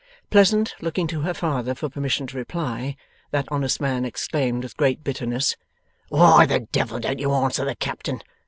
Pleasant, looking to her father for permission to reply, that honest man exclaimed with great bitterness: 'Why the devil don't you answer the Captain?